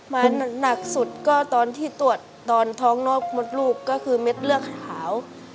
มาหนักสุดก็ตอนที่ตรวจตอนท้องนอกมดลูกก็คือเม็ดเลือดขาว